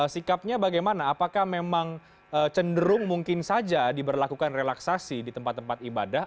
sikapnya bagaimana apakah memang cenderung mungkin saja diberlakukan relaksasi di tempat tempat ibadah